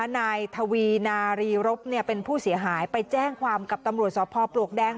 นายทวีนารีรบเป็นผู้เสียหายไปแจ้งความกับตำรวจสพปลวกแดง